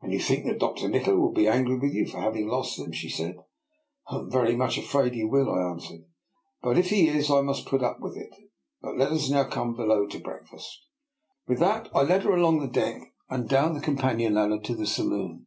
"And you think that Dr. Nikola will be angry with you for having lost them? " she said. " I am very much afraid he will," I an swered. " But if he is, I must put up with it. Now let us come below to breakfast." With that I led her along the deck and down the companion ladder to the saloon.